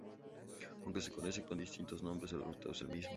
Aunque se conocen con distintos nombres, el resultado es el mismo.